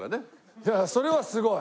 いやそれはすごい。